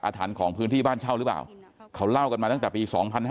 อาถรรพ์ของพื้นที่บ้านเช่าหรือเปล่าเขาเล่ากันมาตั้งจากปี